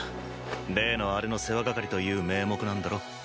例のあれの世話係という名目なんだろ？